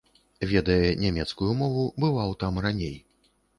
Ведае нямецкую мову, бываў там раней.